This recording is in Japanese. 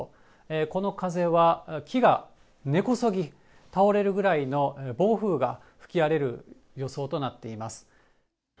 この風は、木が根こそぎ倒れるぐらいの暴風雨が吹き荒れる予想となっています。